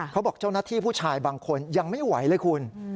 เขาบอกเจ้าหน้าที่ผู้ชายบางคนยังไม่ไหวเลยคุณ